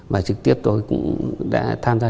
và trực tiếp tôi cũng đã tham gia